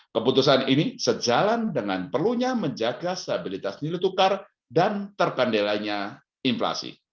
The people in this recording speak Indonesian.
keputusan ini sejalan dengan perlunya menjaga stabilitas nilai tukar dan terkandelainya inflasi